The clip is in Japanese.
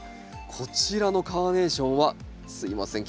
こちらのカーネーションはすいません